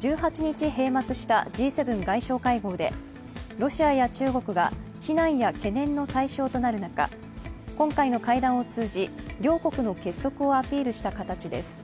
１８日閉幕したＧ７外相会合でロシアや中国が非難や懸念の対象となる中、今回の会談を通じ、両国の結束をアピールした形です。